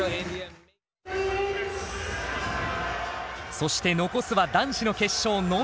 そして残すは男子の決勝のみ。